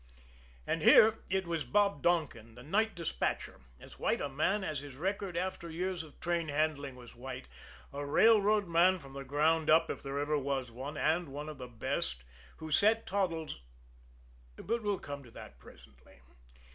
And here, it was Bob Donkin, the night despatcher, as white a man as his record after years of train handling was white, a railroad man from the ground up if there ever was one, and one of the best, who set Toddles But we'll come to that presently.